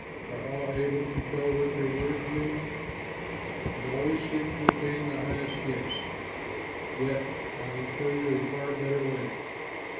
Are all able to tell what their words mean? But always seek to attain the highest gifts. Yet I will show you a far better way.